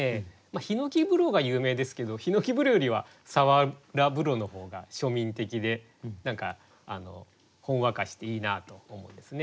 ひのき風呂が有名ですけどひのき風呂よりは椹風呂の方が庶民的で何かほんわかしていいなと思うんですね。